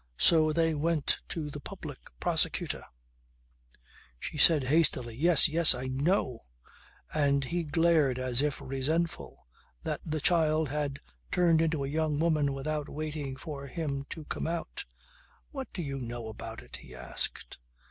So they went to the Public Prosecutor " She said hastily "Yes! Yes! I know," and he glared as if resentful that the child had turned into a young woman without waiting for him to come out. "What do you know about it?" he asked.